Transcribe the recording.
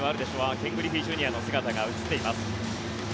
ケン・グリフィーＪｒ．の姿が映っています。